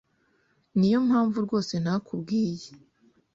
Niyo mpamvu rwose ntakubwiye.